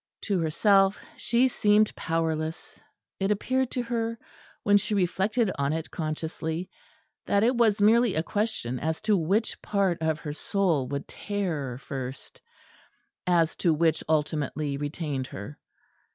To herself she seemed powerless; it appeared to her, when she reflected on it consciously, that it was merely a question as to which part of her soul would tear first, as to which ultimately retained her.